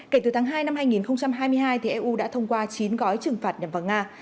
kể từ tháng hai năm hai nghìn hai mươi hai eu đã thông qua chín gói trừng phạt nhằm vào nga